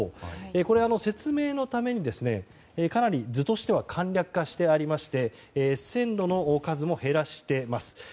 これは説明のためにかなり図としては簡略化してありまして線路の数も減らしています。